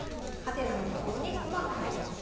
「？」のところに駒が入ります。